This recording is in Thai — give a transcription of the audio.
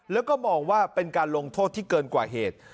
แล้วก็มองว่าเป็นการลงโทษที่เกินกว่าเหตุ